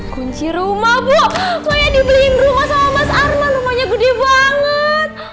kunci rumah bu saya dibeliin rumah sama mas arman rumahnya gede banget